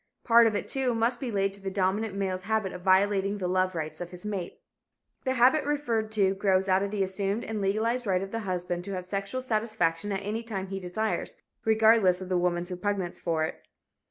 Part of it, too, must be laid to the dominant male's habit of violating the love rights of his mate. The habit referred to grows out of the assumed and legalized right of the husband to have sexual satisfaction at any time he desires, regardless of the woman's repugnance for it.